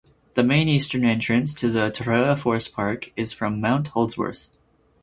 The main eastern entrance to the Tararua Forest Park is from Mount Holdsworth.